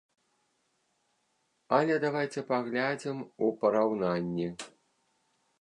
Але давайце паглядзім у параўнанні.